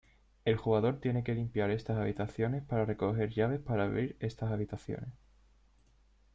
El jugador tiene que limpiar estas habitaciones para recoger llaves para abrir estas habitaciones.